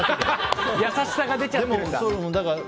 優しさが出ちゃってるんだ！